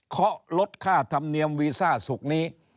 เขาลดค่าธรรมเนียมวีซ่าศุกร์นี้